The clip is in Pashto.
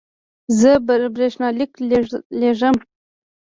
زه برېښنالیک لیږم